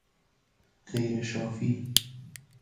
غیر شافی